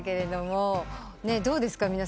どうですか？